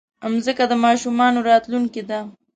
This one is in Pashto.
مځکه د ماشومانو راتلونکی ده.